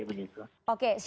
oke siapa yang memproduksi